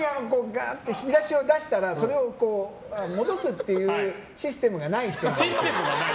引き出しを開けたらそれを戻すというシステムがない人なので。